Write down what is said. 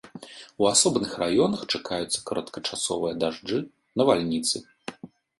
У асобных раёнах чакаюцца кароткачасовыя дажджы, навальніцы.